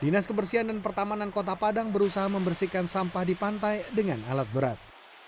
dinas kebersihan dan pertamanan kota padang berusaha membersihkan sampah di pantai dengan alat berat